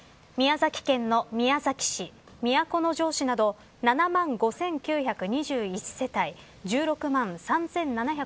宮崎県の宮崎市都城市など７万５９２１世帯１６万３７０６人